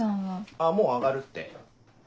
あっもう上がるって。